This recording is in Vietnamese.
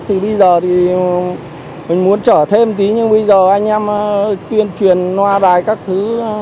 thì bây giờ thì mình muốn trở thêm tí nhưng bây giờ anh em tuyên truyền loa đài các thứ